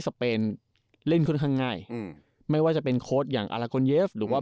สเปนเล่นค่อนข้างง่ายอืมไม่ว่าจะเป็นอย่างหรือว่า